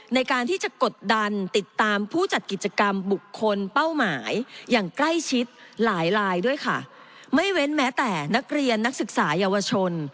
ในการที่จะกดดันติดตามผู้จัดกิจกรรมบุคคลเป้าหมายอย่างใกล้ชิดหลายลายด้วยค่ะไม่เว้นแม้แต่นักเรียนนักศึกษาเยาวชน